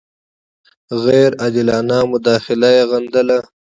غیر عادلانه مداخله یې غندله.